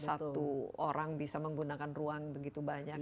satu orang bisa menggunakan ruang begitu banyak